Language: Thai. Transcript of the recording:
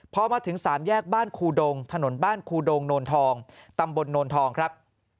พอมาถึงสามแยกบ้านครูดงถนนบ้านครูดงโนนทองตำบลโนนทองครับ